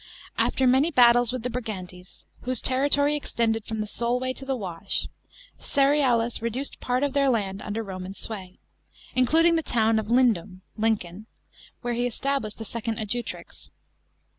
After many battles with the Brigantes, whose territory extended from the Solway to the Wash, Cerealis reduced part of their land under Roman sway; including the town of Lindum (Lincoln) where he established the II. Adjutrix.